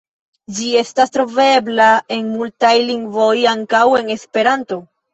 Ĝi estas trovebla en multaj lingvoj, ankaŭ en Esperanto.